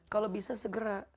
kalau bisa segera